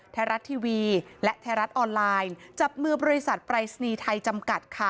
ไทยรัฐทีวีและไทยรัฐออนไลน์จับมือบริษัทปรายศนีย์ไทยจำกัดค่ะ